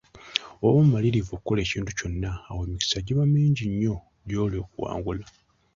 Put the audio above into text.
Bw'oba mumalirivu okukola ekintu kyonna, awo emikisa giba mingi nnyo gy'oli okuwangula.